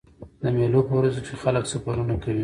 د مېلو په ورځو کښي خلک سفرونه کوي.